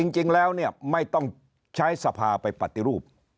จริงแล้วเนี่ยไม่ต้องใช้สภาไปปฏิรูป